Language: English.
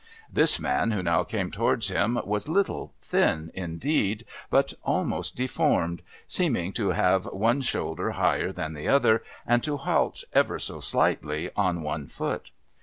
This man who now came towards him was little, thin, indeed, but almost deformed, seeming to have one shoulder higher than the other, and to halt ever so slightly on one foot.